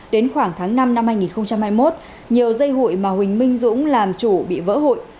đến khoảng tháng năm năm hai nghìn hai mươi một nhiều dây hụi mà huỳnh minh dũng làm chủ bị vỡ hụi